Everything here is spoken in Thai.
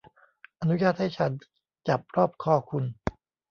อนุญาตให้ฉันจับรอบคอคุณ